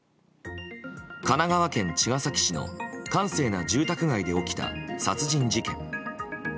神奈川県茅ヶ崎市の閑静な住宅街で起きた殺人事件。